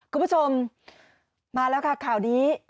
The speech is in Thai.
คุณผู้ชมมาแล้วค่ะข่าวนี้